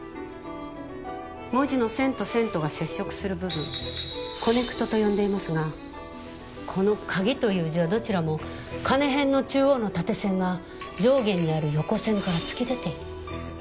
文字の線と線とが接触する部分コネクトと呼んでいますがこの「鍵」という字はどちらも金へんの中央の縦線が上下にある横線から突き出ている。